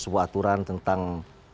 sebuah aturan tentang